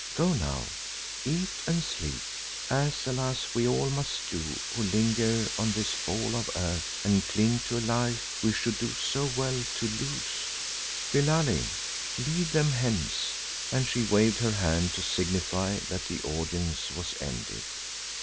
Go now, eat and sleep, as alas we all must do who linger on this ball of earth and cling to a life we should do well to lose. Billali, lead them hence," and she waved her hand to signify that the audience was ended.